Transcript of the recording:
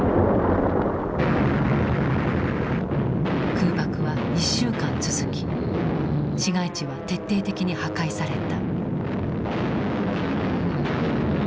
空爆は１週間続き市街地は徹底的に破壊された。